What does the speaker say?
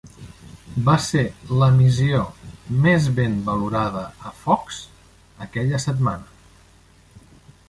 Va ser l'emissió més ben valorada a Fox, aquella setmana.